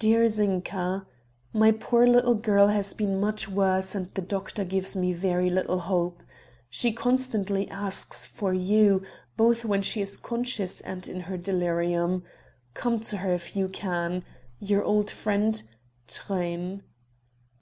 "Dear Zinka: My poor little girl has been much worse and the doctor gives me very little hope. She constantly asks for you, both when she is conscious and in her delirium. Come to her if you can. Your old friend, "Truyn."